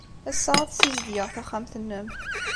Ass-a, ad ssizedgeɣ taxxamt-nnem.